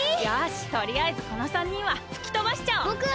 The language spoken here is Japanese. よしとりあえずこの３人はふきとばしちゃおう！